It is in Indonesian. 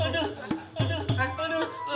aduh aduh bang bang ampun bang